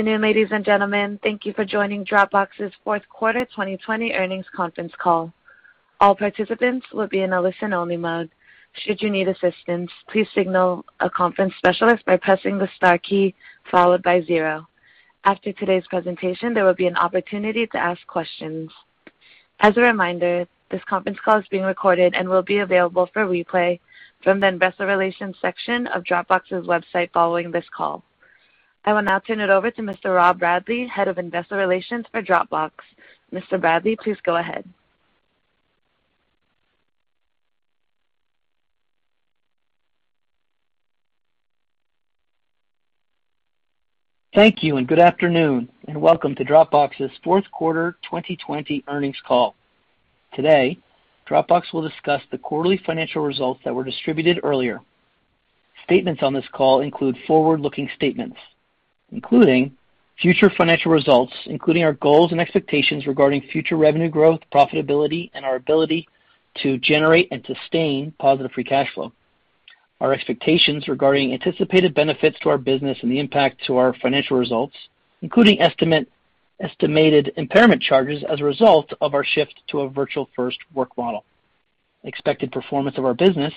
Good afternoon, ladies and gentlemen. Thank you for joining Dropbox's fourth quarter 2020 earnings conference call. All participants will be in a listen-only mode. Should you need assistance, please signal a conference specialist by pressing the star key followed by zero. After today's presentation, there will be an opportunity to ask questions. As a reminder, this conference call is being recorded and will be available for replay from the investor relations section of Drobox's website following this call. I will now turn it over to Mr. Rob Bradley, Head of Investor Relations for Dropbox. Mr. Bradley, please go ahead. Thank you, good afternoon, welcome to Dropbox's fourth quarter 2020 earnings call. Today, Dropbox will discuss the quarterly financial results that were distributed earlier. Statements on this call include forward-looking statements, including future financial results, including our goals and expectations regarding future revenue growth, profitability, and our ability to generate and sustain positive free cash flow. Our expectations regarding anticipated benefits to our business and the impact to our financial results, including estimated impairment charges as a result of our shift to a Virtual First work model, expected performance of our business,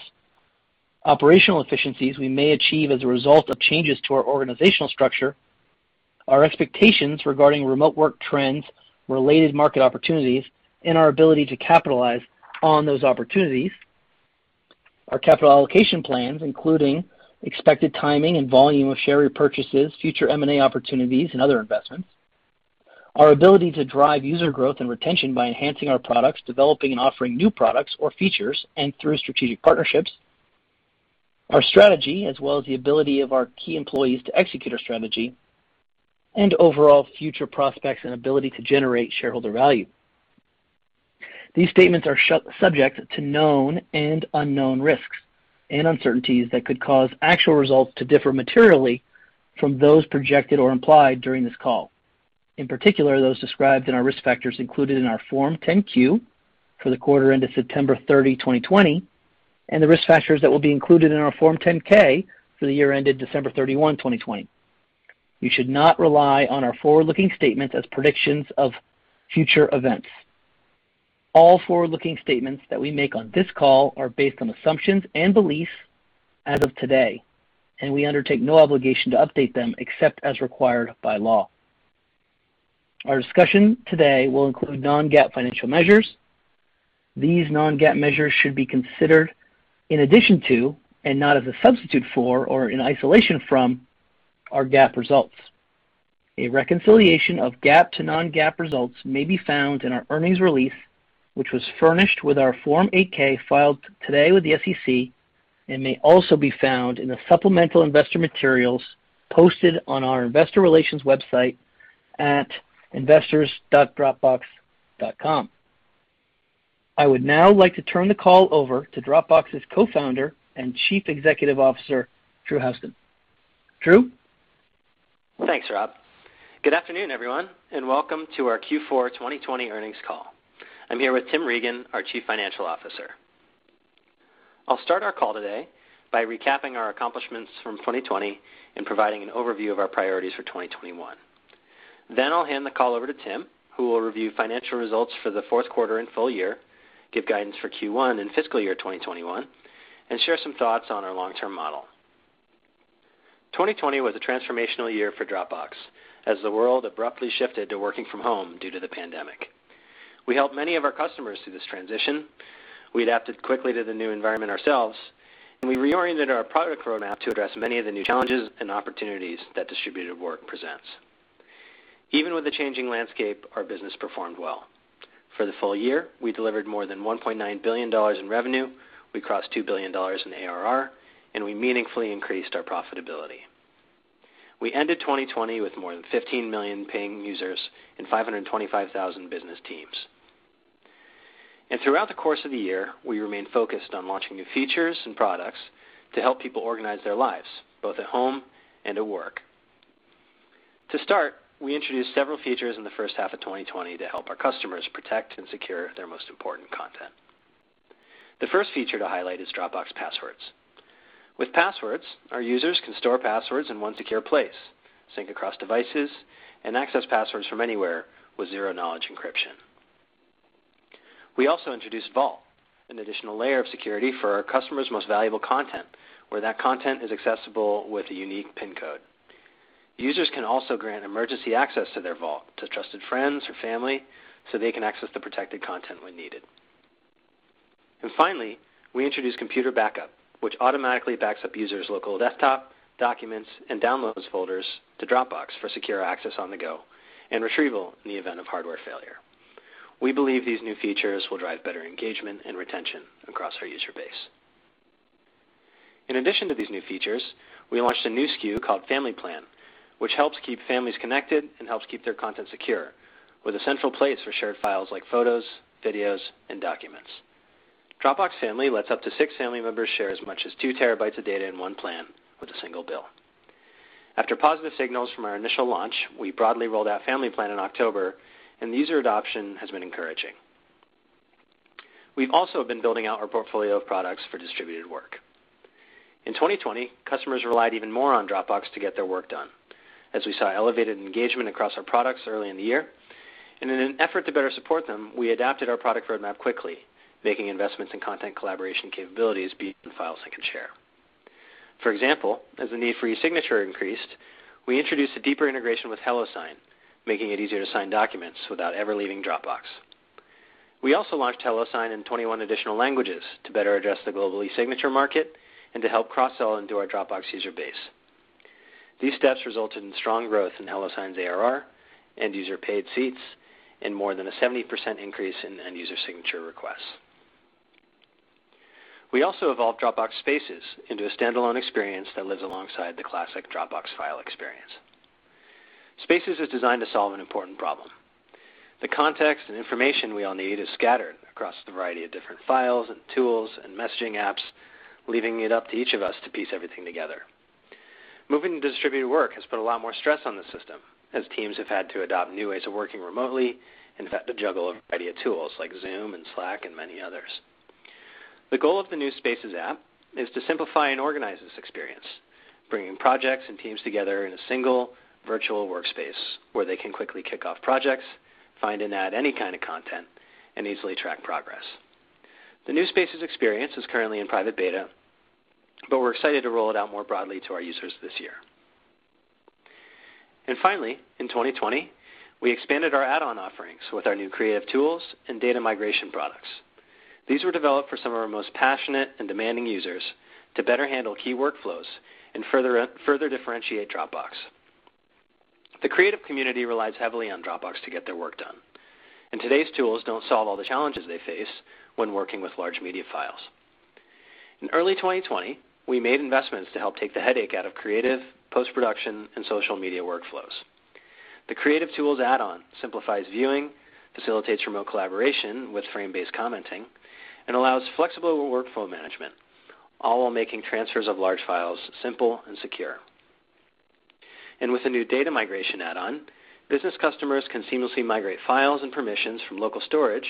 operational efficiencies we may achieve as a result of changes to our organizational structure, our expectations regarding remote work trends, related market opportunities, and our ability to capitalize on those opportunities, our capital allocation plans, including expected timing and volume of share repurchases, future M&A opportunities, and other investments, our ability to drive user growth and retention by enhancing our products, developing and offering new products or features, and through strategic partnerships, our strategy, as well as the ability of our key employees to execute our strategy, and overall future prospects and ability to generate shareholder value. These statements are subject to known and unknown risks and uncertainties that could cause actual results to differ materially from those projected or implied during this call, in particular, those described in our risk factors included in our Form 10-Q for the quarter ended September 30, 2020, and the risk factors that will be included in our Form 10-K for the year ended December 31, 2020. You should not rely on our forward-looking statements as predictions of future events. All forward-looking statements that we make on this call are based on assumptions and beliefs as of today, and we undertake no obligation to update them except as required by law. Our discussion today will include non-GAAP financial measures. These non-GAAP measures should be considered in addition to and not as a substitute for or in isolation from our GAAP results. A reconciliation of GAAP to non-GAAP results may be found in our earnings release, which was furnished with our Form 8-K filed today with the SEC and may also be found in the supplemental investor materials posted on our investor relations website at investors.dropbox.com. I would now like to turn the call over to Dropbox's Co-founder and Chief Executive Officer, Drew Houston. Drew? Thanks, Rob. Good afternoon, everyone, welcome to our Q4 2020 earnings call. I'm here with Tim Regan, our Chief Financial Officer. I'll start our call today by recapping our accomplishments from 2020 and providing an overview of our priorities for 2021. I'll hand the call over to Tim, who will review financial results for the fourth quarter and full year, give guidance for Q1 and fiscal year 2021, and share some thoughts on our long-term model. 2020 was a transformational year for Dropbox as the world abruptly shifted to working from home due to the pandemic. We helped many of our customers through this transition, we adapted quickly to the new environment ourselves, and we reoriented our product roadmap to address many of the new challenges and opportunities that distributed work presents. Even with the changing landscape, our business performed well. For the full year, we delivered more than $1.9 billion in revenue, we crossed $2 billion in ARR, We meaningfully increased our profitability. We ended 2020 with more than 15 million paying users and 525,000 business teams. Throughout the course of the year, we remained focused on launching new features and products to help people organize their lives, both at home and at work. To start, we introduced several features in the first half of 2020 to help our customers protect and secure their most important content. The first feature to highlight is Dropbox Passwords. With Passwords, our users can store passwords in one secure place, sync across devices, and access passwords from anywhere with zero knowledge encryption. We also introduced Vault, an additional layer of security for our customers' most valuable content, where that content is accessible with a unique pin code. Users can also grant emergency access to their Vault to trusted friends or family so they can access the protected content when needed. Finally, we introduced Computer Backup, which automatically backs up users' local desktop, documents, and downloads folders to Dropbox for secure access on the go and retrieval in the event of hardware failure. We believe these new features will drive better engagement and retention across our user base. In addition to these new features, we launched a new SKU called Family plan, which helps keep families connected and helps keep their content secure with a central place for shared files like photos, videos, and documents. Dropbox Family lets up to six family members share as much as two terabytes of data in one plan with a single bill. After positive signals from our initial launch, we broadly rolled out Family plan in October, and the user adoption has been encouraging. We've also been building out our portfolio of products for distributed work. In 2020, customers relied even more on Dropbox to get their work done, as we saw elevated engagement across our products early in the year. In an effort to better support them, we adapted our product roadmap quickly, making investments in content collaboration capabilities beyond files they can share. For example, as the need for e-signature increased, we introduced a deeper integration with HelloSign, making it easier to sign documents without ever leaving Dropbox. We also launched HelloSign in 21 additional languages to better address the global e-signature market and to help cross-sell into our Dropbox user base. These steps resulted in strong growth in Dropbox Sign's ARR, end-user paid seats, and more than a 70% increase in end-user signature requests. We also evolved Dropbox Spaces into a standalone experience that lives alongside the classic Dropbox file experience. Spaces is designed to solve an important problem. The context and information we all need is scattered across a variety of different files and tools and messaging apps, leaving it up to each of us to piece everything together. Moving to distributed work has put a lot more stress on the system as teams have had to adopt new ways of working remotely and have had to juggle a variety of tools like Zoom and Slack and many others. The goal of the new Spaces app is to simplify and organize this experience, bringing projects and teams together in a single virtual workspace where they can quickly kick off projects, find and add any kind of content, and easily track progress. The new Spaces experience is currently in private beta, but we're excited to roll it out more broadly to our users this year. Finally, in 2020, we expanded our add-on offerings with our new Creative Tools and Data Migration products. These were developed for some of our most passionate and demanding users to better handle key workflows and further differentiate Dropbox. The creative community relies heavily on Dropbox to get their work done, and today's tools don't solve all the challenges they face when working with large media files. In early 2020, we made investments to help take the headache out of creative post-production and social media workflows. The Creative Tools Add-On simplifies viewing, facilitates remote collaboration with frame-based commenting, and allows flexible workflow management, all while making transfers of large files simple and secure. With the new Data Migration Add-On, business customers can seamlessly migrate files and permissions from local storage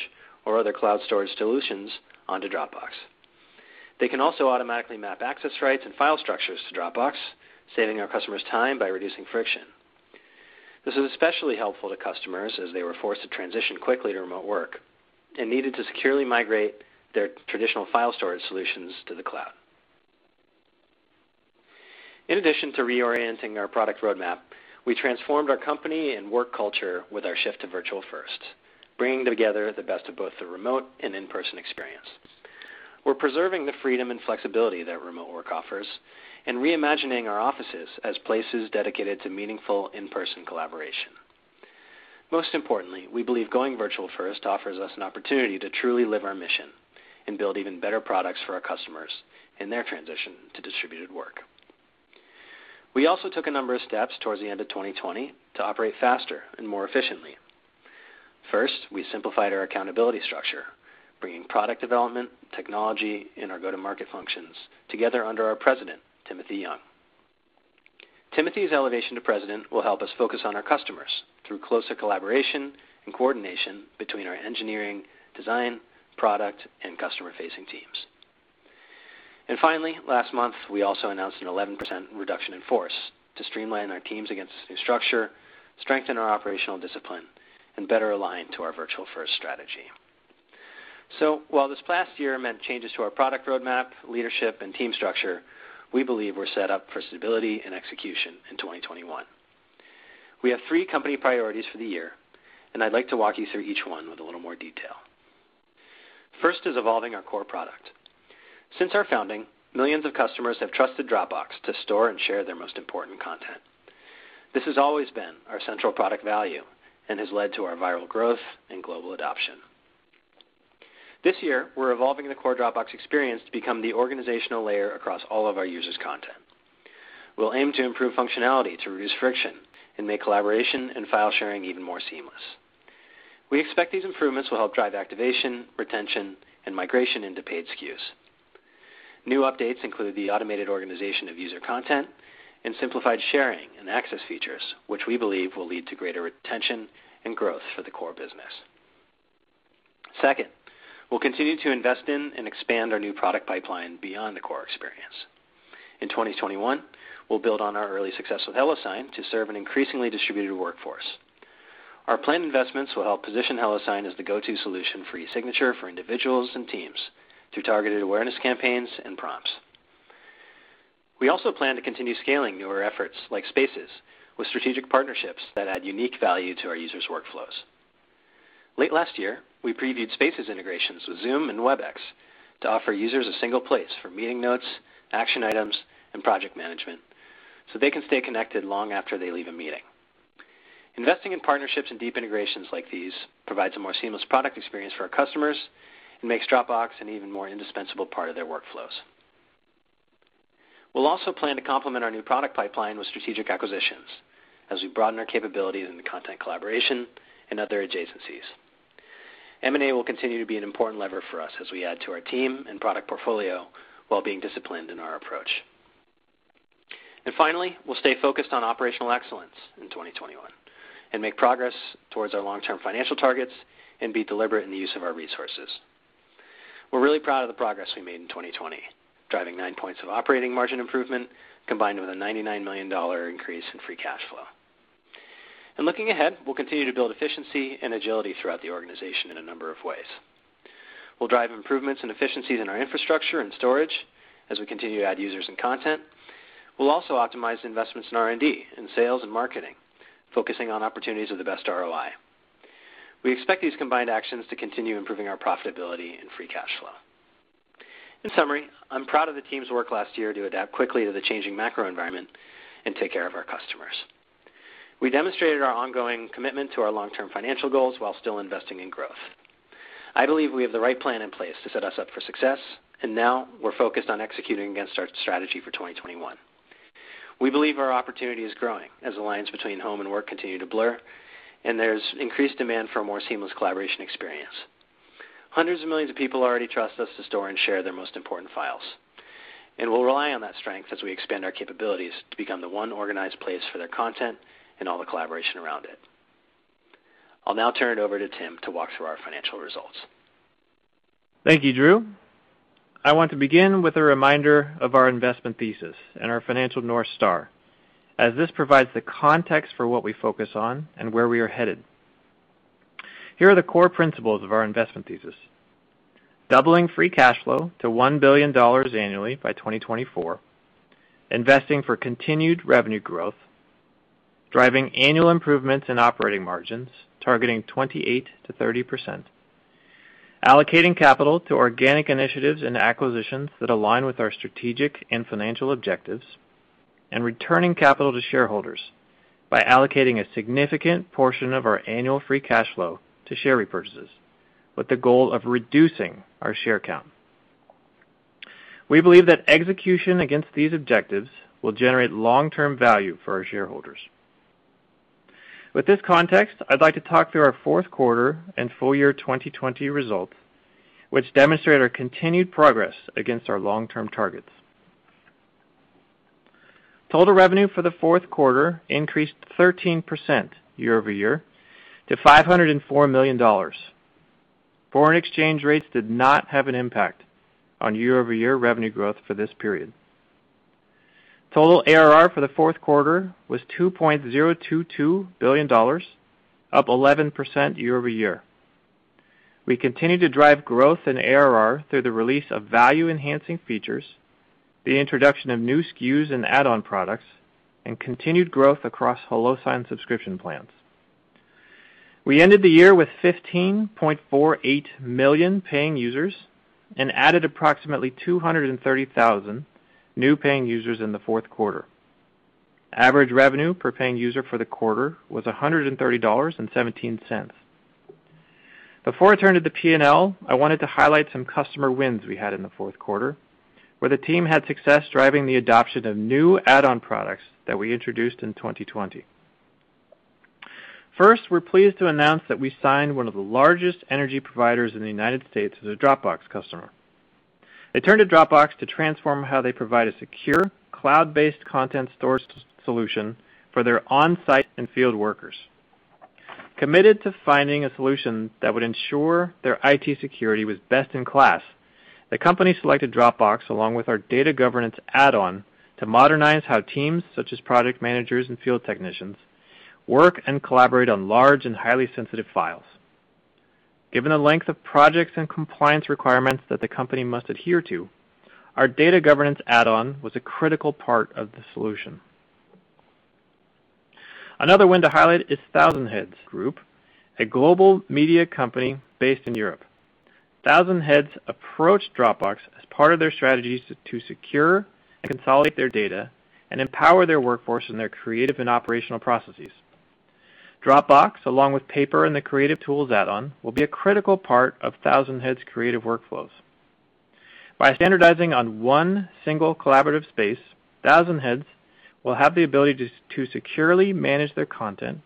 or other cloud storage solutions onto Dropbox. They can also automatically map access rights and file structures to Dropbox, saving our customers time by reducing friction. This was especially helpful to customers as they were forced to transition quickly to remote work and needed to securely migrate their traditional file storage solutions to the cloud. In addition to reorienting our product roadmap, we transformed our company and work culture with our shift to Virtual First, bringing together the best of both the remote and in-person experience. We're preserving the freedom and flexibility that remote work offers and reimagining our offices as places dedicated to meaningful in-person collaboration. Most importantly, we believe going Virtual First offers us an opportunity to truly live our mission and build even better products for our customers in their transition to distributed work. We also took a number of steps towards the end of 2020 to operate faster and more efficiently. First, we simplified our accountability structure, bringing product development, technology, and our go-to-market functions together under our President, Timothy Young. Timothy's elevation to president will help us focus on our customers through closer collaboration and coordination between our engineering, design, product, and customer-facing teams. Finally, last month, we also announced an 11% reduction in force to streamline our teams against this new structure, strengthen our operational discipline, and better align to our Virtual First strategy. While this past year meant changes to our product roadmap, leadership, and team structure, we believe we're set up for stability and execution in 2021. We have three company priorities for the year, and I'd like to walk you through each one with a little more detail. First is evolving our core product. Since our founding, millions of customers have trusted Dropbox to store and share their most important content. This has always been our central product value and has led to our viral growth and global adoption. This year, we're evolving the core Dropbox experience to become the organizational layer across all of our users' content. We'll aim to improve functionality to reduce friction and make collaboration and file sharing even more seamless. We expect these improvements will help drive activation, retention, and migration into paid SKUs. New updates include the automated organization of user content and simplified sharing and access features, which we believe will lead to greater retention and growth for the core business. Second, we'll continue to invest in and expand our new product pipeline beyond the core experience. In 2021, we'll build on our early success with HelloSign to serve an increasingly distributed workforce. Our planned investments will help position HelloSign as the go-to solution for e-signature for individuals and teams through targeted awareness campaigns and prompts. We also plan to continue scaling newer efforts like Spaces with strategic partnerships that add unique value to our users' workflows. Late last year, we previewed Spaces integrations with Zoom and Webex to offer users a single place for meeting notes, action items, and project management so they can stay connected long after they leave a meeting. Investing in partnerships and deep integrations like these provides a more seamless product experience for our customers and makes Dropbox an even more indispensable part of their workflows. We'll also plan to complement our new product pipeline with strategic acquisitions as we broaden our capabilities in the content collaboration and other adjacencies. M&A will continue to be an important lever for us as we add to our team and product portfolio while being disciplined in our approach. Finally, we'll stay focused on operational excellence in 2021, and make progress towards our long-term financial targets and be deliberate in the use of our resources. We're really proud of the progress we made in 2020, driving nine points of operating margin improvement, combined with a $99 million increase in free cash flow. Looking ahead, we'll continue to build efficiency and agility throughout the organization in a number of ways. We'll drive improvements in efficiency in our infrastructure and storage as we continue to add users and content. We'll also optimize investments in R&D, in sales and marketing, focusing on opportunities with the best ROI. We expect these combined actions to continue improving our profitability and free cash flow. In summary, I'm proud of the team's work last year to adapt quickly to the changing macro environment and take care of our customers. We demonstrated our ongoing commitment to our long-term financial goals while still investing in growth. I believe we have the right plan in place to set us up for success, and now we're focused on executing against our strategy for 2021. We believe our opportunity is growing as the lines between home and work continue to blur, and there's increased demand for a more seamless collaboration experience. Hundreds of millions of people already trust us to store and share their most important files, and we'll rely on that strength as we expand our capabilities to become the one organized place for their content and all the collaboration around it. I'll now turn it over to Tim to walk through our financial results. Thank you, Drew. I want to begin with a reminder of our investment thesis and our financial North Star, as this provides the context for what we focus on and where we are headed. Here are the core principles of our investment thesis. Doubling free cash flow to $1 billion annually by 2024. Investing for continued revenue growth. Driving annual improvements in operating margins, targeting 28%-30%. Allocating capital to organic initiatives and acquisitions that align with our strategic and financial objectives. Returning capital to shareholders by allocating a significant portion of our annual free cash flow to share repurchases with the goal of reducing our share count. We believe that execution against these objectives will generate long-term value for our shareholders. With this context, I'd like to talk through our fourth quarter and full year 2020 results, which demonstrate our continued progress against our long-term targets. Total revenue for the fourth quarter increased 13% year-over-year to $504 million. Foreign exchange rates did not have an impact on year-over-year revenue growth for this period. Total ARR for the fourth quarter was $2.022 billion, up 11% year-over-year. We continue to drive growth in ARR through the release of value-enhancing features, the introduction of new SKUs and add-on products, and continued growth across Dropbox Sign subscription plans. We ended the year with 15.48 million paying users and added approximately 230,000 new paying users in the fourth quarter. Average revenue per paying user for the quarter was $130.17. Before I turn to the P&L, I wanted to highlight some customer wins we had in the fourth quarter, where the team had success driving the adoption of new add-on products that we introduced in 2020. First, we're pleased to announce that we signed one of the largest energy providers in the U.S. as a Dropbox customer. They turned to Dropbox to transform how they provide a secure, cloud-based content storage solution for their on-site and field workers. Committed to finding a solution that would ensure their IT security was best in class, the company selected Dropbox, along with our Data Governance Add-On, to modernize how teams, such as project managers and field technicians, work and collaborate on large and highly sensitive files. Given the length of projects and compliance requirements that the company must adhere to, our Data Governance Add-On was a critical part of the solution. Another win to highlight is 1000heads Group, a global media company based in Europe. 1000heads approached Dropbox as part of their strategy to secure and consolidate their data and empower their workforce in their creative and operational processes. Dropbox, along with Paper and the Creative Tools Add-On, will be a critical part of 1000heads' creative workflows. By standardizing on one single collaborative space, 1000heads will have the ability to securely manage their content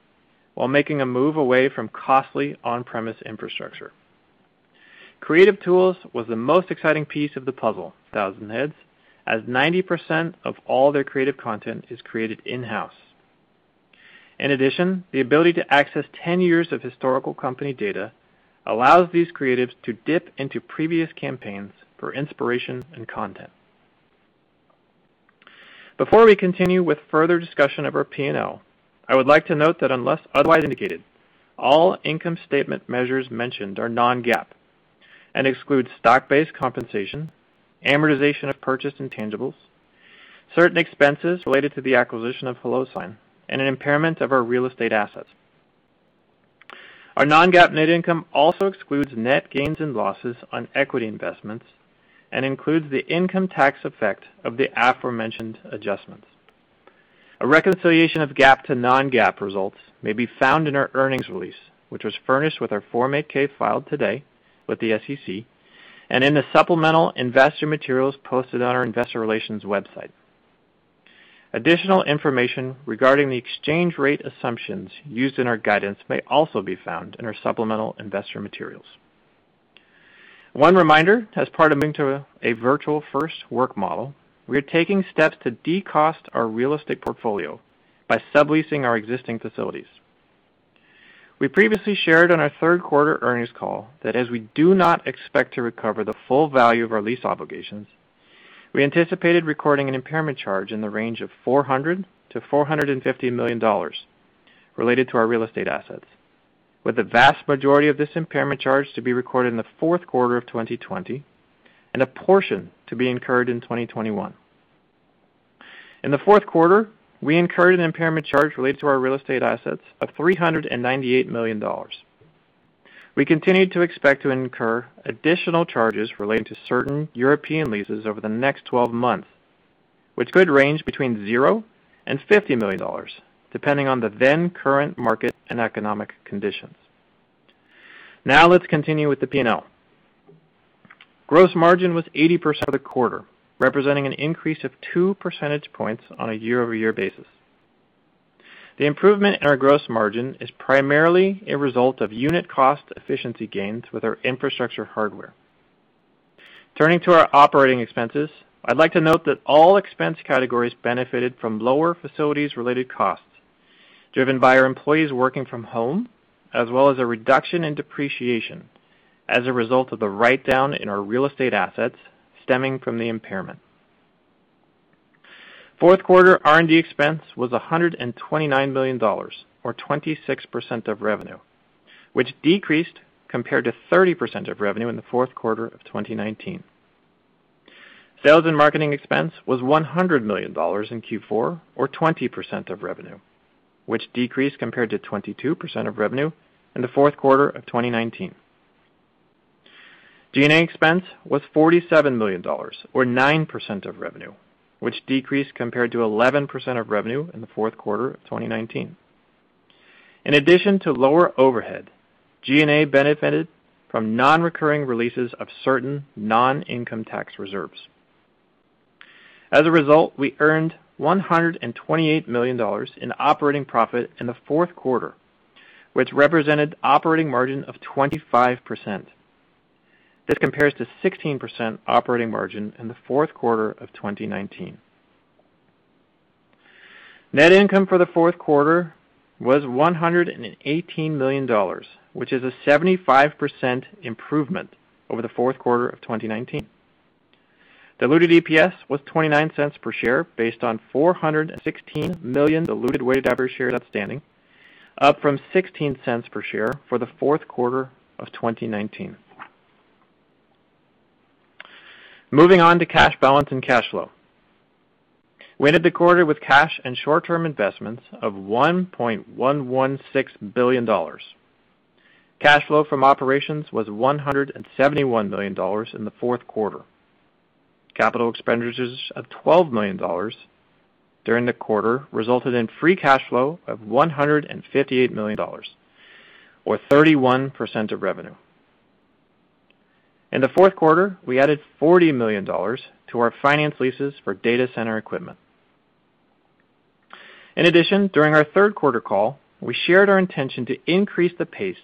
while making a move away from costly on-premise infrastructure. Creative Tools was the most exciting piece of the puzzle for 1000heads, as 90% of all their creative content is created in-house. In addition, the ability to access 10 years of historical company data allows these creatives to dip into previous campaigns for inspiration and content. Before we continue with further discussion of our P&L, I would like to note that unless otherwise indicated, all income statement measures mentioned are non-GAAP and exclude stock-based compensation, amortization of purchased intangibles, certain expenses related to the acquisition of HelloSign, and an impairment of our real estate assets. Our non-GAAP net income also excludes net gains and losses on equity investments and includes the income tax effect of the aforementioned adjustments. A reconciliation of GAAP to non-GAAP results may be found in our earnings release, which was furnished with our Form 8-K filed today with the SEC, and in the supplemental investor materials posted on our investor relations website. Additional information regarding the exchange rate assumptions used in our guidance may also be found in our supplemental investor materials. One reminder, as part of moving to a Virtual First work model, we are taking steps to de-cost our real estate portfolio by subleasing our existing facilities. We previously shared on our third quarter earnings call that as we do not expect to recover the full value of our lease obligations, we anticipated recording an impairment charge in the range of $400 million-$450 million related to our real estate assets, with the vast majority of this impairment charge to be recorded in the fourth quarter of 2020 and a portion to be incurred in 2021. In the fourth quarter, we incurred an impairment charge related to our real estate assets of $398 million. We continue to expect to incur additional charges relating to certain European leases over the next 12 months, which could range between zero and $50 million, depending on the then current market and economic conditions. Now let's continue with the P&L. Gross margin was 80% for the quarter, representing an increase of two percentage points on a year-over-year basis. The improvement in our gross margin is primarily a result of unit cost efficiency gains with our infrastructure hardware. Turning to our operating expenses, I'd like to note that all expense categories benefited from lower facilities-related costs, driven by our employees working from home, as well as a reduction in depreciation as a result of the write-down in our real estate assets stemming from the impairment. Fourth quarter R&D expense was $129 million, or 26% of revenue, which decreased compared to 30% of revenue in the fourth quarter of 2019. Sales and marketing expense was $100 million in Q4, or 20% of revenue, which decreased compared to 22% of revenue in the fourth quarter of 2019. G&A expense was $47 million, or 9% of revenue, which decreased compared to 11% of revenue in the fourth quarter of 2019. In addition to lower overhead, G&A benefited from non-recurring releases of certain non-income tax reserves. As a result, we earned $128 million in operating profit in the fourth quarter, which represented operating margin of 25%. This compares to 16% operating margin in the fourth quarter of 2019. Net income for the fourth quarter was $118 million, which is a 75% improvement over the fourth quarter of 2019. Diluted EPS was $0.29 per share, based on 416 million diluted weighted average shares outstanding, up from $0.16 per share for the fourth quarter of 2019. Moving on to cash balance and cash flow. We ended the quarter with cash and short-term investments of $1.116 billion. Cash flow from operations was $171 million in the fourth quarter. Capital expenditures of $12 million during the quarter resulted in free cash flow of $158 million, or 31% of revenue. In the fourth quarter, we added $40 million to our finance leases for data center equipment. During our third quarter call, we shared our intention to increase the pace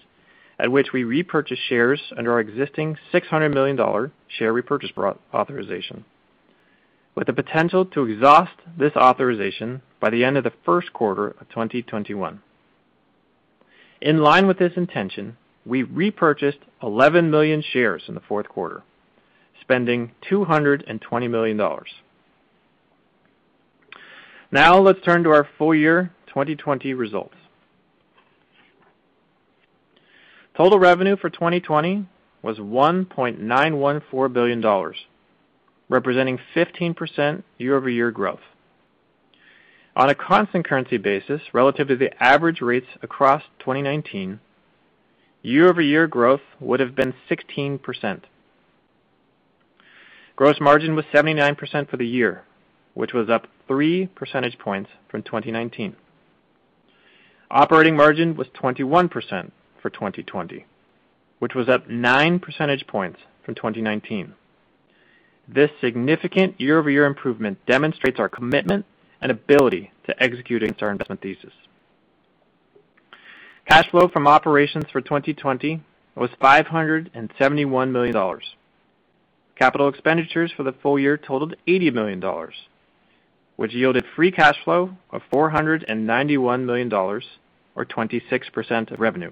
at which we repurchase shares under our existing $600 million share repurchase authorization, with the potential to exhaust this authorization by the end of the first quarter of 2021. In line with this intention, we repurchased 11 million shares in the fourth quarter, spending $220 million. Let's turn to our full year 2020 results. Total revenue for 2020 was $1.914 billion, representing 15% year-over-year growth. On a constant currency basis relative to the average rates across 2019, year-over-year growth would have been 16%. Gross margin was 79% for the year, which was up three percentage points from 2019. Operating margin was 21% for 2020, which was up nine percentage points from 2019. This significant year-over-year improvement demonstrates our commitment and ability to executing our investment thesis. Cash flow from operations for 2020 was $571 million. Capital expenditures for the full year totaled $80 million, which yielded free cash flow of $491 million, or 26% of revenue.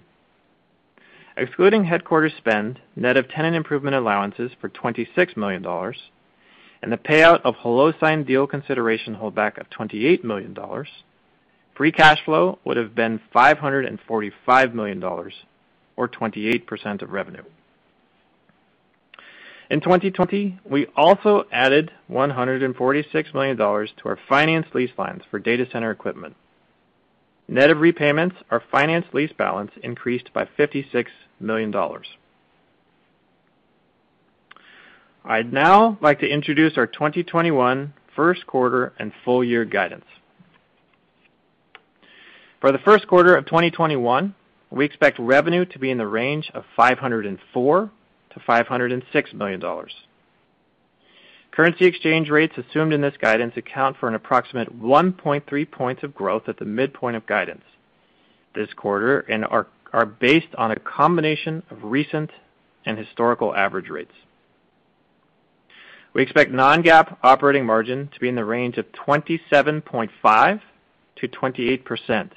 Excluding headquarters spend, net of tenant improvement allowances for $26 million, and the payout of HelloSign deal consideration holdback of $28 million, free cash flow would have been $545 million, or 28% of revenue. In 2020, we also added $146 million to our finance lease lines for data center equipment. Net of repayments, our finance lease balance increased by $56 million. I'd now like to introduce our 2021 first quarter and full year guidance. For the first quarter of 2021, we expect revenue to be in the range of $504 million-$506 million. Currency exchange rates assumed in this guidance account for an approximate 1.3 points of growth at the midpoint of guidance this quarter and are based on a combination of recent and historical average rates. We expect non-GAAP operating margin to be in the range of 27.5%-28%.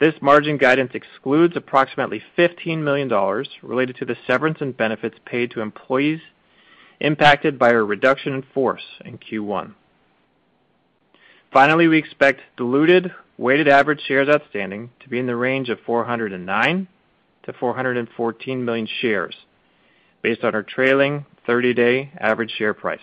This margin guidance excludes approximately $15 million related to the severance and benefits paid to employees impacted by a reduction in force in Q1. Finally, we expect diluted weighted average shares outstanding to be in the range of 409 million-414 million shares based on our trailing 30-day average share price.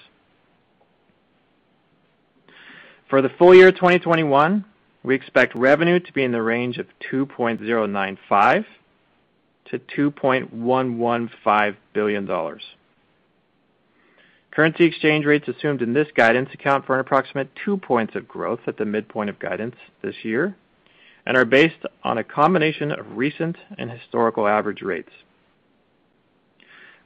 For the full year 2021, we expect revenue to be in the range of $2.095 billion-$2.115 billion. Currency exchange rates assumed in this guidance account for an approximate 2 points of growth at the midpoint of guidance this year and are based on a combination of recent and historical average rates.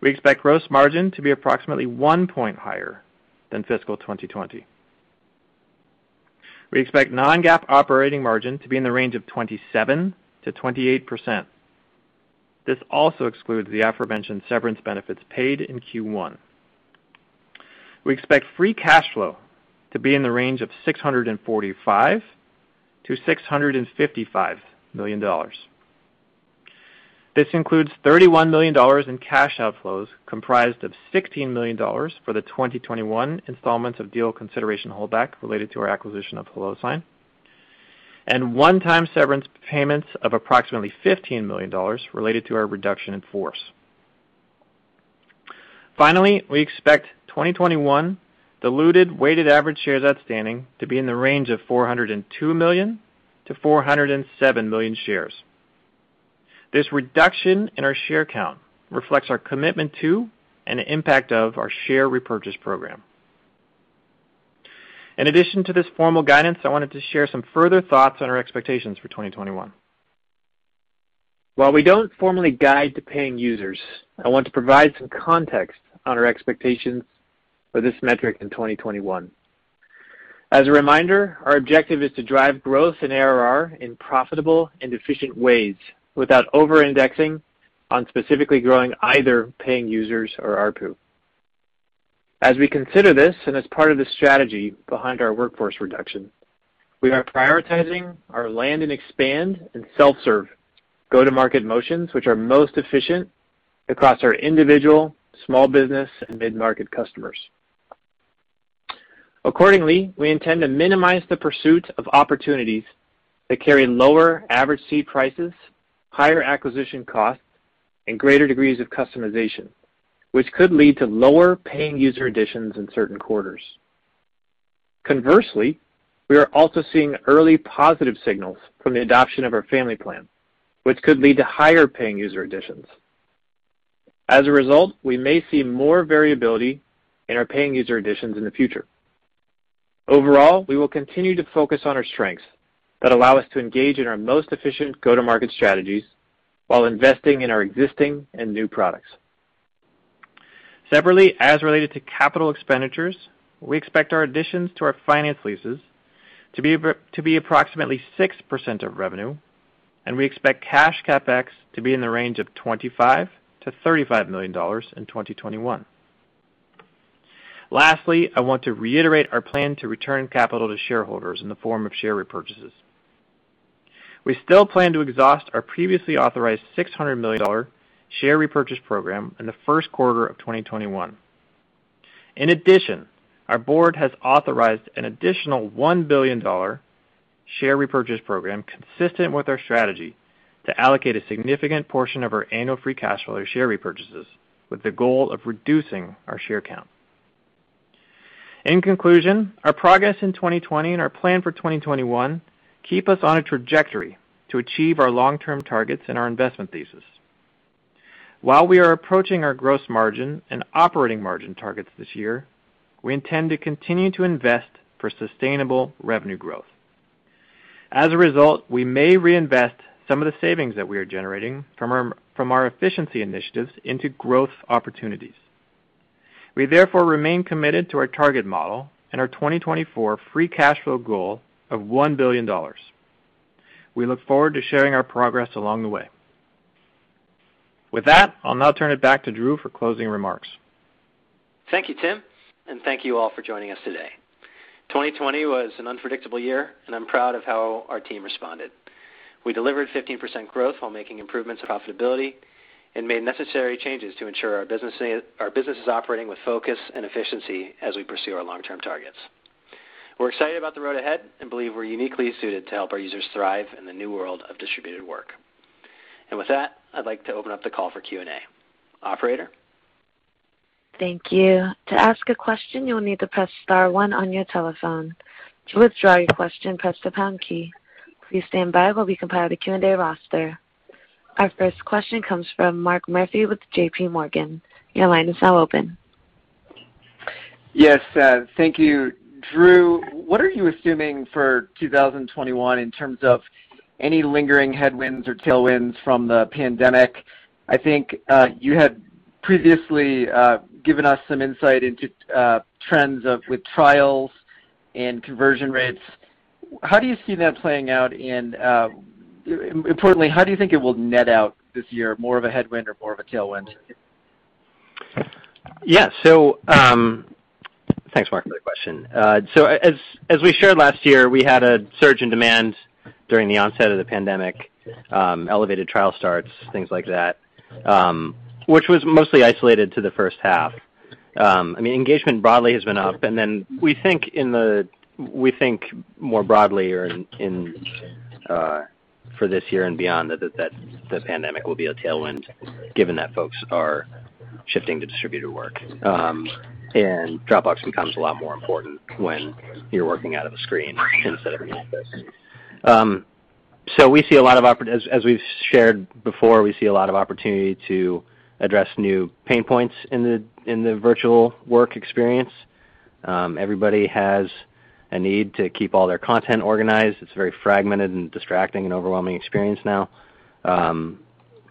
We expect gross margin to be approximately 1 point higher than fiscal 2020. We expect non-GAAP operating margin to be in the range of 27%-28%. This also excludes the aforementioned severance benefits paid in Q1. We expect free cash flow to be in the range of $645 million-$655 million. This includes $31 million in cash outflows, comprised of $16 million for the 2021 installments of deal consideration holdback related to our acquisition of HelloSign, and one-time severance payments of approximately $15 million related to our reduction in force. Finally, we expect 2021 diluted weighted average shares outstanding to be in the range of 402 million-407 million shares. This reduction in our share count reflects our commitment to and the impact of our share repurchase program. In addition to this formal guidance, I wanted to share some further thoughts on our expectations for 2021. While we don't formally guide to paying users, I want to provide some context on our expectations for this metric in 2021. As a reminder, our objective is to drive growth and ARR in profitable and efficient ways without over-indexing on specifically growing either paying users or ARPU. As we consider this, and as part of the strategy behind our workforce reduction, we are prioritizing our land and expand and self-serve go-to-market motions, which are most efficient across our individual, small business, and mid-market customers. Accordingly, we intend to minimize the pursuit of opportunities that carry lower average seat prices, higher acquisition costs, and greater degrees of customization, which could lead to lower paying user additions in certain quarters. Conversely, we are also seeing early positive signals from the adoption of our Dropbox Family, which could lead to higher paying user additions. As a result, we may see more variability in our paying user additions in the future. Overall, we will continue to focus on our strengths that allow us to engage in our most efficient go-to-market strategies while investing in our existing and new products. Separately, as related to capital expenditures, we expect our additions to our finance leases to be approximately 6% of revenue, and we expect cash CapEx to be in the range of $25 million-$35 million in 2021. Lastly, I want to reiterate our plan to return capital to shareholders in the form of share repurchases. We still plan to exhaust our previously authorized $600 million share repurchase program in the first quarter of 2021. In addition, our board has authorized an additional $1 billion share repurchase program consistent with our strategy to allocate a significant portion of our annual free cash flow to share repurchases with the goal of reducing our share count. In conclusion, our progress in 2020 and our plan for 2021 keep us on a trajectory to achieve our long-term targets and our investment thesis. While we are approaching our gross margin and operating margin targets this year, we intend to continue to invest for sustainable revenue growth. As a result, we may reinvest some of the savings that we are generating from our efficiency initiatives into growth opportunities. We therefore remain committed to our target model and our 2024 free cash flow goal of $1 billion. We look forward to sharing our progress along the way. With that, I'll now turn it back to Drew for closing remarks. Thank you, Tim, and thank you all for joining us today. 2020 was an unpredictable year, and I'm proud of how our team responded. We delivered 15% growth while making improvements to profitability and made necessary changes to ensure our business is operating with focus and efficiency as we pursue our long-term targets. We're excited about the road ahead and believe we're uniquely suited to help our users thrive in the new world of distributed work. With that, I'd like to open up the call for Q&A. Operator? Thank you. To as a question, you will need to press star one on your telephone. To withdraw your question, press the pound key. Please standby while we compile the Q&A roster. Our first question comes from Mark Murphy with JPMorgan. Your line is now open. Yes. Thank you. Drew, what are you assuming for 2021 in terms of any lingering headwinds or tailwinds from the pandemic? I think you had previously given us some insight into trends with trials and conversion rates. How do you see that playing out in Importantly, how do you think it will net out this year, more of a headwind or more of a tailwind? Thanks, Mark, for the question. As we shared last year, we had a surge in demand during the onset of the pandemic, elevated trial starts, things like that, which was mostly isolated to the first half. Engagement broadly has been up, we think more broadly or for this year and beyond that the pandemic will be a tailwind given that folks are shifting to distributed work. Dropbox becomes a lot more important when you're working out of a screen instead of an office. As we've shared before, we see a lot of opportunity to address new pain points in the virtual work experience. Everybody has a need to keep all their content organized. It's a very fragmented and distracting and overwhelming experience now.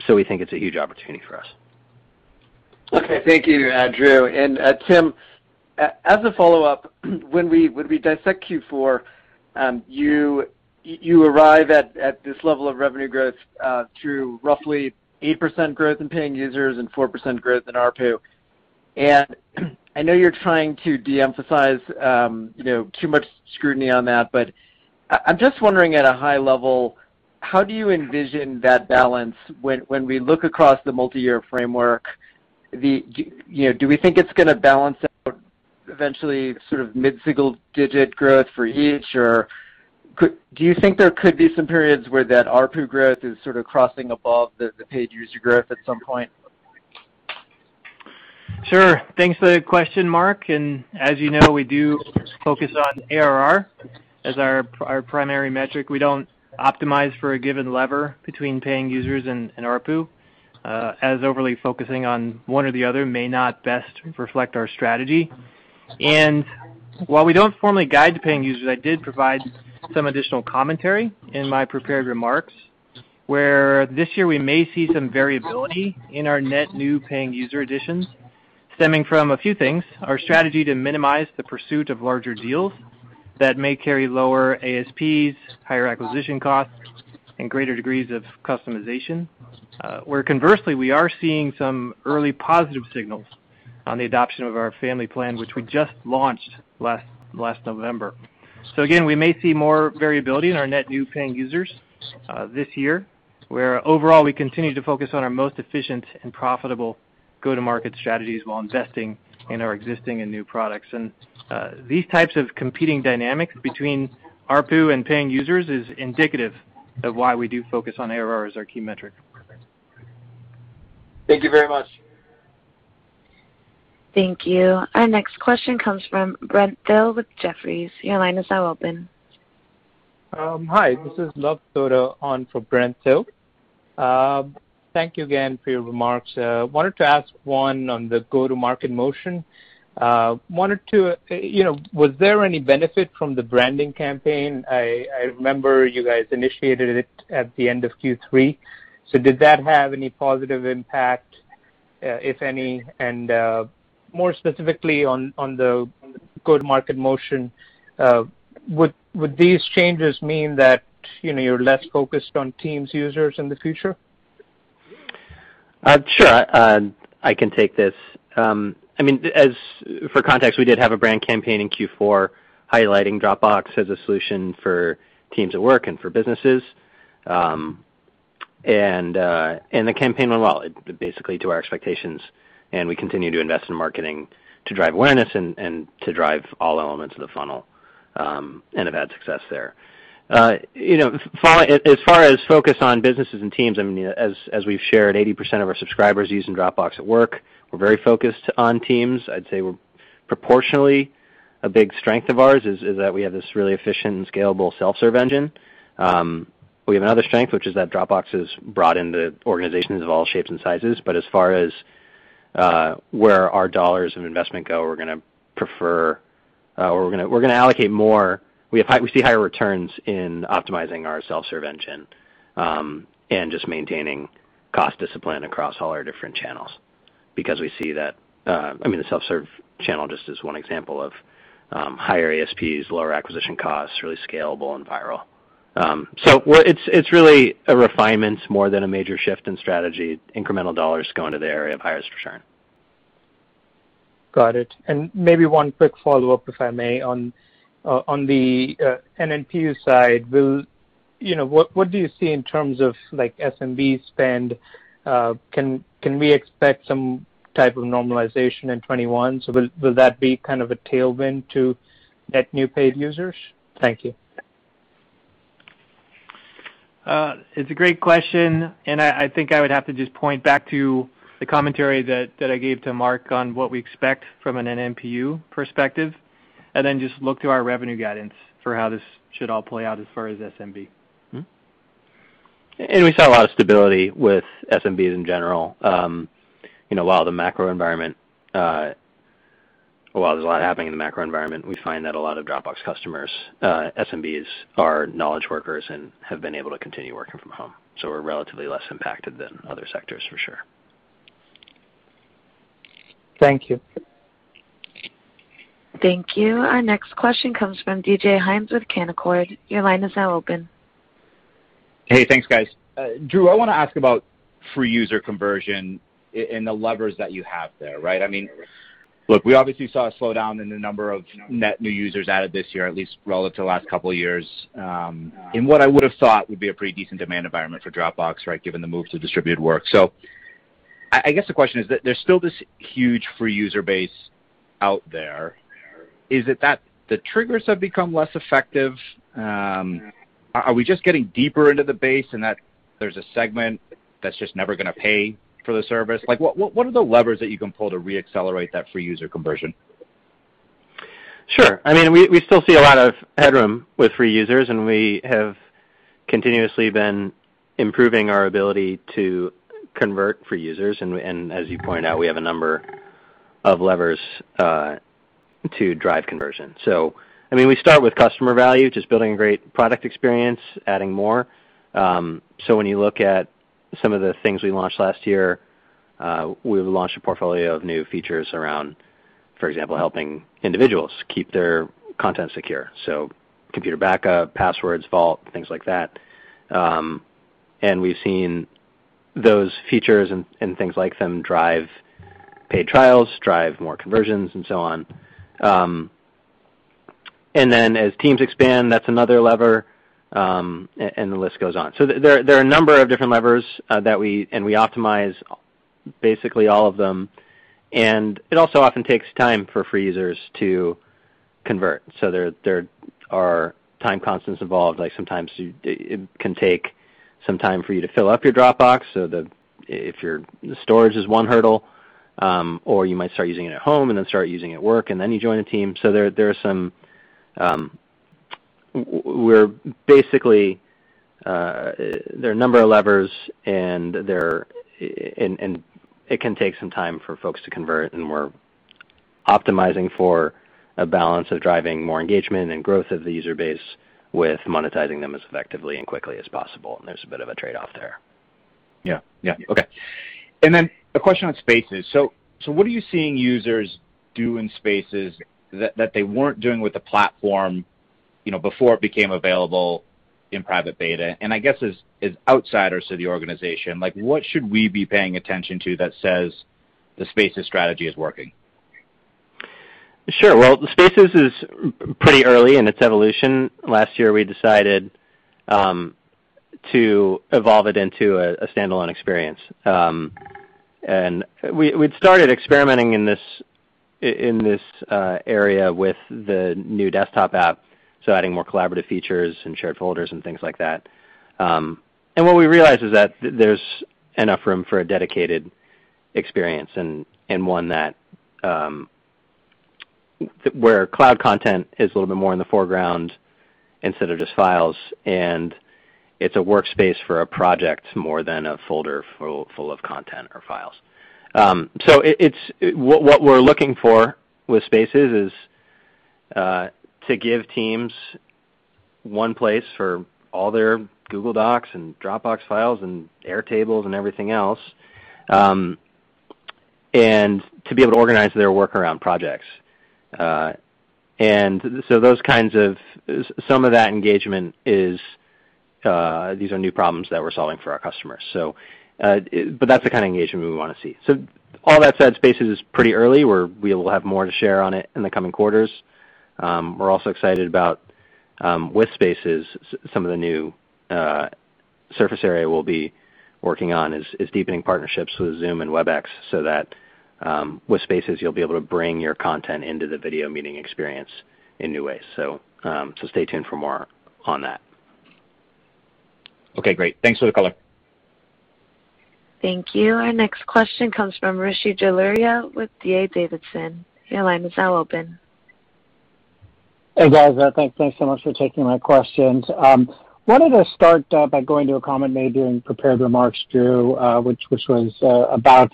We think it's a huge opportunity for us. Okay. Thank you, Drew. Tim, as a follow-up, when we dissect Q4, you arrive at this level of revenue growth through roughly 8% growth in paying users and 4% growth in ARPU. I know you're trying to de-emphasize too much scrutiny on that, I'm just wondering at a high level, how do you envision that balance when we look across the multi-year framework? Do we think it's going to balance out eventually sort of mid-single digit growth for each, or do you think there could be some periods where that ARPU growth is sort of crossing above the paid user growth at some point? Sure. Thanks for the question, Mark. As you know, we do focus on ARR as our primary metric. We don't optimize for a given lever between paying users and ARPU, as overly focusing on one or the other may not best reflect our strategy. While we don't formally guide to paying users, I did provide some additional commentary in my prepared remarks where this year we may see some variability in our net new paying user additions stemming from a few things, our strategy to minimize the pursuit of larger deals that may carry lower ASPs, higher acquisition costs, and greater degrees of customization. Conversely, we are seeing some early positive signals on the adoption of our Dropbox Family, which we just launched last November. Again, we may see more variability in our net new paying users this year, where overall we continue to focus on our most efficient and profitable go-to-market strategies while investing in our existing and new products. These types of competing dynamics between ARPU and paying users is indicative of why we do focus on ARR as our key metric. Thank you very much. Thank you. Our next question comes from Brent Thill with Jefferies. Your line is now open. Hi. This is Luv Sodha on for Brent Thill. Thank you again for your remarks. Wanted to ask one on the go-to-market motion. Was there any benefit from the branding campaign? I remember you guys initiated it at the end of Q3. Did that have any positive impact, if any? More specifically on the go-to-market motion, would these changes mean that you're less focused on teams users in the future? Sure. I can take this. For context, we did have a brand campaign in Q4 highlighting Dropbox as a solution for teams at work and for businesses. The campaign went well, basically to our expectations, and we continue to invest in marketing to drive awareness and to drive all elements of the funnel, and have had success there. As far as focus on businesses and teams, as we've shared, 80% of our subscribers are using Dropbox at work. We're very focused on teams. I'd say proportionally a big strength of ours is that we have this really efficient and scalable self-serve engine. We have another strength, which is that Dropbox is brought into organizations of all shapes and sizes. As far as where our dollars of investment go, we're going to allocate more. We see higher returns in optimizing our self-serve engine, just maintaining cost discipline across all our different channels because we see that the self-serve channel just is one example of higher ASPs, lower acquisition costs, really scalable and viral. It's really a refinement more than a major shift in strategy. Incremental dollars go into the area of highest return. Got it. Maybe one quick follow-up, if I may, on the NNPU side. What do you see in terms of SMB spend? Can we expect some type of normalization in 2021? Will that be kind of a tailwind to net new paid users? Thank you. It's a great question, and I think I would have to just point back to the commentary that I gave to Mark on what we expect from an NNPU perspective, and then just look to our revenue guidance for how this should all play out as far as SMB. We saw a lot of stability with SMBs in general. While there's a lot happening in the macro environment, we find that a lot of Dropbox customers, SMBs, are knowledge workers and have been able to continue working from home. We're relatively less impacted than other sectors for sure. Thank you. Thank you. Our next question comes from D.J. Hynes with Canaccord. Your line is now open. Hey, thanks, guys. Drew, I want to ask about free user conversion and the levers that you have there, right? Look, we obviously saw a slowdown in the number of net new users added this year, at least relative to the last couple of years, in what I would have thought would be a pretty decent demand environment for Dropbox, right? Given the move to distributed work. I guess the question is there's still this huge free user base out there. Is it that the triggers have become less effective? Are we just getting deeper into the base in that there's a segment that's just never going to pay for the service? What are the levers that you can pull to re-accelerate that free user conversion? Sure. We still see a lot of headroom with free users, and we have continuously been improving our ability to convert free users, and as you point out, we have a number of levers to drive conversion. We start with customer value, just building a great product experience, adding more. When you look at some of the things we launched last year, we've launched a portfolio of new features around, for example, helping individuals keep their content secure. Computer backup, passwords, vault, things like that. We've seen those features and things like them drive paid trials, drive more conversions, and so on. As teams expand, that's another lever, and the list goes on. There are a number of different levers, and we optimize basically all of them, and it also often takes time for free users to convert. There are time constants involved, like sometimes it can take some time for you to fill up your Dropbox. The storage is one hurdle, or you might start using it at home and then start using it at work, and then you join a team. Basically, there are a number of levers, and it can take some time for folks to convert. We're optimizing for a balance of driving more engagement and growth of the user base with monetizing them as effectively and quickly as possible. There's a bit of a trade-off there. Yeah. Okay. A question on Spaces. What are you seeing users do in Spaces that they weren't doing with the platform before it became available in private beta? I guess, as outsiders to the organization, what should we be paying attention to that says the Spaces strategy is working? Sure. Well, Spaces is pretty early in its evolution. Last year, we decided to evolve it into a standalone experience. We'd started experimenting in this area with the new desktop app, so adding more collaborative features and shared folders and things like that. What we realized is that there's enough room for a dedicated experience and one where cloud content is a little bit more in the foreground instead of just files, and it's a workspace for a project more than a folder full of content or files. What we're looking for with Spaces is to give teams one place for all their Google Docs and Dropbox files and Airtables and everything else, and to be able to organize their work around projects. Some of that engagement is these are new problems that we're solving for our customers. That's the kind of engagement we want to see. All that said, Spaces is pretty early. We will have more to share on it in the coming quarters. We're also excited about with Spaces, some of the new surface area we'll be working on is deepening partnerships with Zoom and Webex so that with Spaces, you'll be able to bring your content into the video meeting experience in new ways. Stay tuned for more on that. Okay, great. Thanks for the color. Thank you. Our next question comes from Rishi Jaluria with D.A. Davidson. Your line is now open. Hey, guys. Thanks so much for taking my questions. Wanted to start by going to a comment made during prepared remarks, Drew, which was about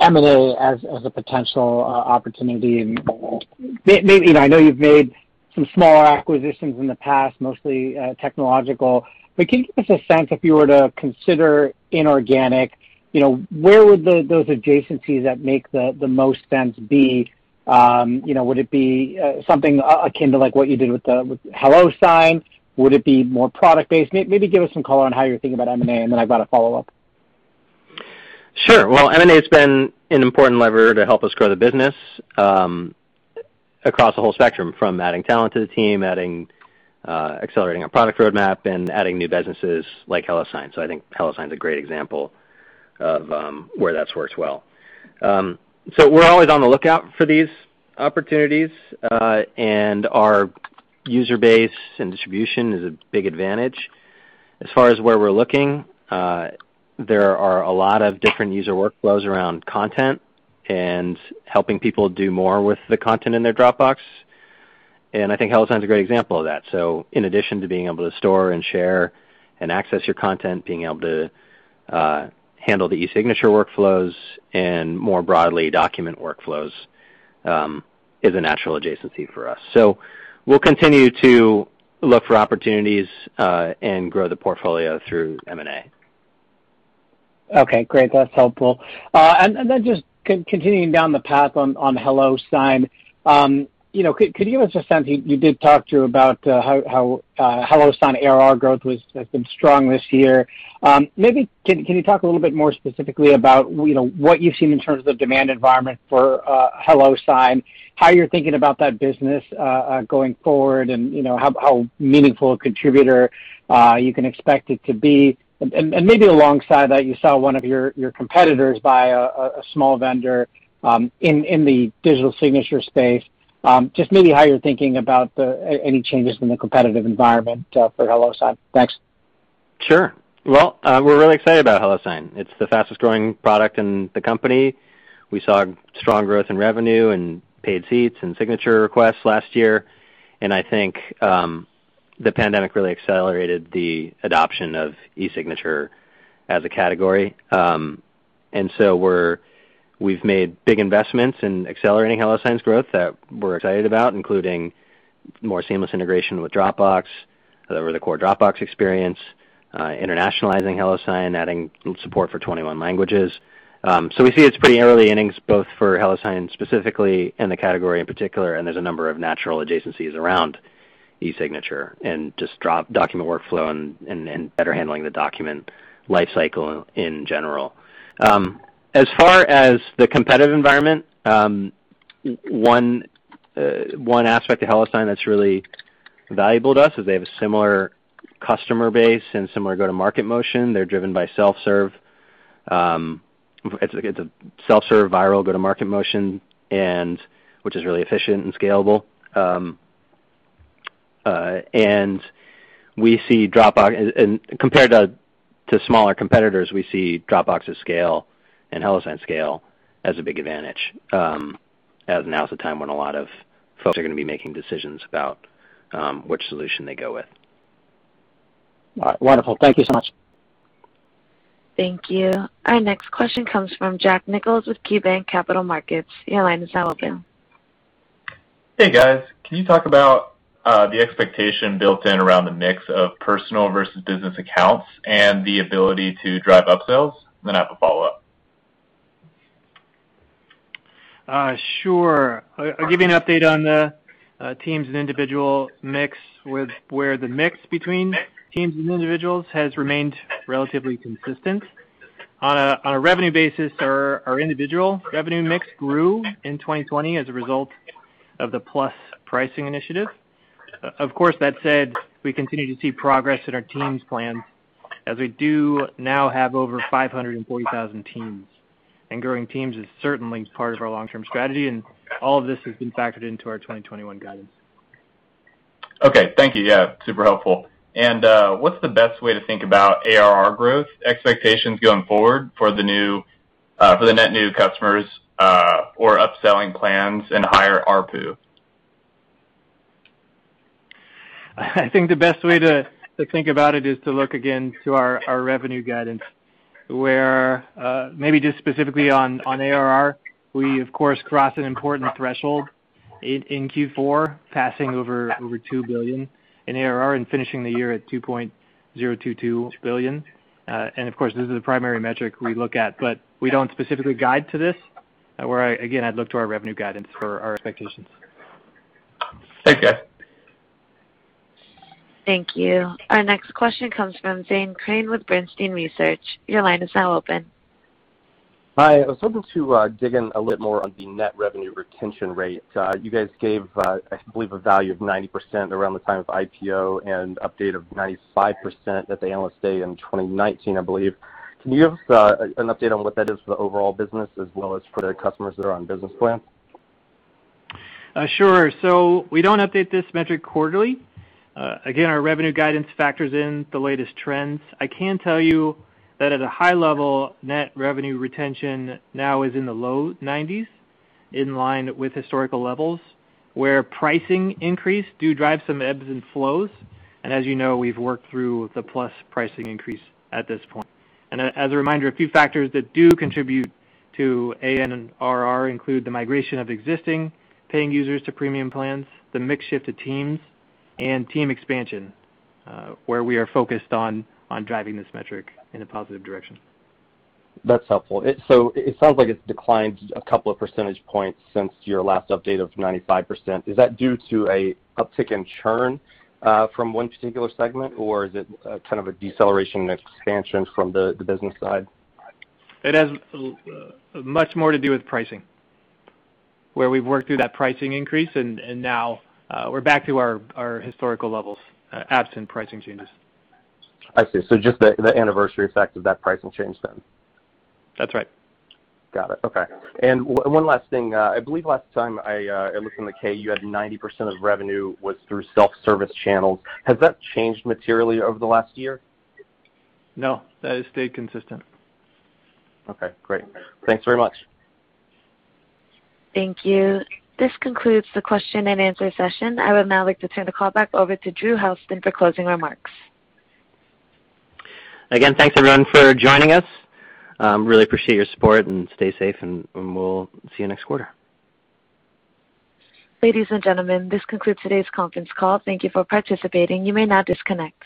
M&A as a potential opportunity, and I know you've made some smaller acquisitions in the past, mostly technological, but can you give us a sense if you were to consider inorganic, where would those adjacencies that make the most sense be? Would it be something akin to what you did with the Dropbox Sign? Would it be more product-based? Maybe give us some color on how you're thinking about M&A, and then I've got a follow-up. Well, M&A has been an important lever to help us grow the business across the whole spectrum, from adding talent to the team, accelerating our product roadmap, and adding new businesses like HelloSign. I think HelloSign is a great example of where that's worked well. We're always on the lookout for these opportunities, and our user base and distribution is a big advantage. As far as where we're looking, there are a lot of different user workflows around content and helping people do more with the content in their Dropbox. I think HelloSign is a great example of that. In addition to being able to store and share and access your content, being able to handle the e-signature workflows and more broadly document workflows, is a natural adjacency for us. We'll continue to look for opportunities, and grow the portfolio through M&A. Okay, great. That's helpful. Just continuing down the path on Dropbox Sign, could you give us a sense, you did talk to about how Dropbox Sign ARR growth has been strong this year. Maybe can you talk a little bit more specifically about what you've seen in terms of demand environment for Dropbox Sign, how you're thinking about that business going forward, and how meaningful a contributor you can expect it to be? Maybe alongside that, you saw one of your competitors buy a small vendor in the digital signature space. Just maybe how you're thinking about any changes in the competitive environment for Dropbox Sign. Thanks. Sure. Well, we're really excited about HelloSign. It's the fastest-growing product in the company. We saw strong growth in revenue and paid seats and signature requests last year. I think the pandemic really accelerated the adoption of e-signature as a category. We've made big investments in accelerating HelloSign's growth that we're excited about, including more seamless integration with Dropbox over the core Dropbox experience, internationalizing HelloSign, adding support for 21 languages. We see it's pretty early innings, both for HelloSign specifically and the category in particular, and there's a number of natural adjacencies around e-signature and just drop document workflow and better handling the document life cycle in general. As far as the competitive environment, one aspect of HelloSign that's really valuable to us is they have a similar customer base and similar go-to-market motion. They're driven by self-serve. It's a self-serve, viral go-to-market motion, which is really efficient and scalable. Compared to smaller competitors, we see Dropbox's scale and HelloSign's scale as a big advantage, as now is the time when a lot of folks are going to be making decisions about which solution they go with. All right. Wonderful. Thank you so much. Thank you. Our next question comes from Jack Nichols with KeyBanc Capital Markets. Your line is now open. Hey, guys. Can you talk about the expectation built in around the mix of personal versus business accounts and the ability to drive upsells? I have a follow-up. Sure. I'll give you an update on the teams and individual mix, where the mix between teams and individuals has remained relatively consistent. On a revenue basis, our individual revenue mix grew in 2020 as a result of the Plus pricing initiative. Of course, that said, we continue to see progress in our teams plan as we do now have over 540,000 teams, and growing teams is certainly part of our long-term strategy, and all of this has been factored into our 2021 guidance. Okay. Thank you. Yeah, super helpful. What's the best way to think about ARR growth expectations going forward for the net new customers or upselling plans and higher ARPU? I think the best way to think about it is to look again to our revenue guidance, where maybe just specifically on ARR, we of course crossed an important threshold in Q4, passing over $2 billion in ARR and finishing the year at $2.022 billion. And of course, this is the primary metric we look at, but we don't specifically guide to this. Where, again, I'd look to our revenue guidance for our expectations. Thanks, guys. Thank you. Our next question comes from Zane Chrane with Bernstein Research. Your line is now open. Hi, I was hoping to dig in a little more on the net revenue retention rate. You guys gave, I believe, a value of 90% around the time of IPO and update of 95% at the Analyst Day in 2019, I believe. Can you give us an update on what that is for the overall business as well as for the customers that are on business plans? Sure. We don't update this metric quarterly. Again, our revenue guidance factors in the latest trends. I can tell you that at a high level, net revenue retention now is in the low 90%s, in line with historical levels, where pricing increase do drive some ebbs and flows. As you know, we've worked through the Plus pricing increase at this point. As a reminder, a few factors that do contribute to NRR include the migration of existing paying users to premium plans, the mix shift to teams, and team expansion, where we are focused on driving this metric in a positive direction. That's helpful. It sounds like it's declined a couple of percentage points since your last update of 95%. Is that due to an uptick in churn from one particular segment, or is it kind of a deceleration in expansion from the business side? It has much more to do with pricing, where we've worked through that pricing increase, and now we're back to our historical levels, absent pricing changes. I see. Just the anniversary effect of that pricing change. That's right. Got it. Okay. One last thing. I believe last time I looked in the K, you had 90% of revenue was through self-service channels. Has that changed materially over the last year? No, that has stayed consistent. Okay, great. Thanks very much. Thank you. This concludes the question and answer session. I would now like to turn the call back over to Drew Houston for closing remarks. Again, thanks everyone for joining us. Really appreciate your support, and stay safe, and we'll see you next quarter. Ladies and gentlemen, this concludes today's conference call. Thank you for participating. You may now disconnect.